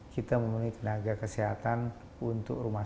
kita memiliki tenaga kesehatan untuk rumah sakit